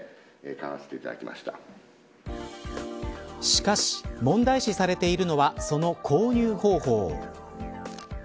しかし、問題視されているのはその購入方法。